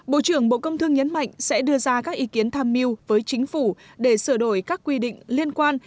bộ trưởng bộ công thương nhấn mạnh sẽ đưa ra các ý kiến tham mưu với chính phủ để sửa đổi các quy định liên quan